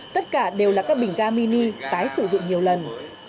tất cả đều là các bình ga mini tái sử dụng nhiều lần